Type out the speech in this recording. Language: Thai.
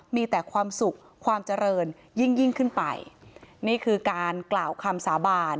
มีแต่ความสุขความเจริญยิ่งขึ้นไปนี่คือการกล่าวคำสาบาน